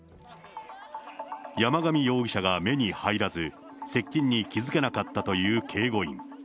山上容疑者が目に入らず、接近に気付けなかったという警護員。